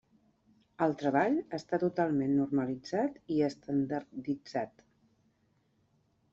El treball està totalment normalitzat i estandarditzat.